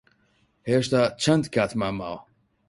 هێشتا چەند کاتمان ماوە؟